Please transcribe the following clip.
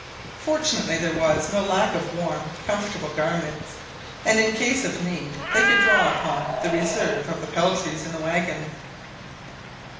Fortunately there was no lack of warm comfortable garments, and in case of need they could draw upon the reserve of peltries in the waggon.